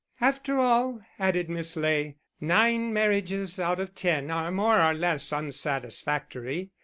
"After all," added Miss Ley, "nine marriages out of ten are more or less unsatisfactory.